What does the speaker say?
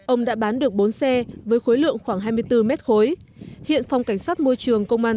ông đã bán được bốn xe với khối lượng khoảng hai mươi bốn mét khối hiện phòng cảnh sát môi trường công an